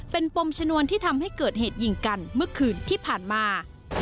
เป็นปมชนวนที่ทำให้เกิดเหตุยิงกันเมื่อคืนที่ผ่านมา